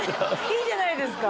いいじゃないですか